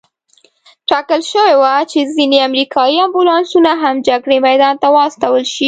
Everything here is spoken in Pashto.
ټاکل شوې وه چې ځینې امریکایي امبولانسونه هم جګړې میدان ته واستول شي.